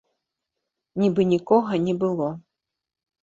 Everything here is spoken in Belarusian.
Нібы нікога не было.